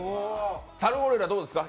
サルゴリラどうですか？